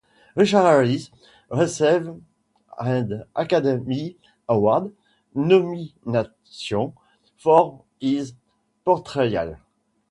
Richard Harris received an Academy Award nomination for his portrayal.